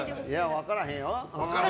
分からへんよ。